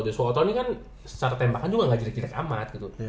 joso otto nih kan secara tembakan juga gak jadi pilih pilih amat